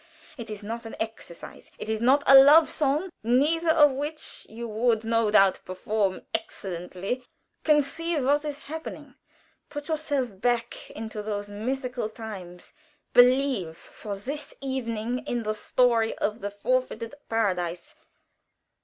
It is not an exercise it is not a love song, either of which you would no doubt perform excellently. Conceive what is happening! Put yourself back into those mythical times. Believe, for this evening, in the story of the forfeited Paradise.